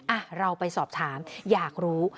อ่ะเราไปสอบถามอยากรู้